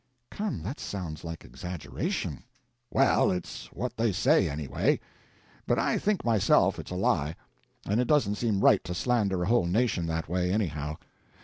"Come, that sounds like exaggeration." "Well, it's what they say anyway. But I think, myself, it's a lie. And it doesn't seem right to slander a whole nation that way, anyhow.